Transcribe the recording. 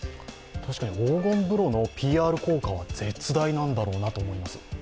確かに、黄金風呂のＰＲ効果は絶大なんだろうなと思います。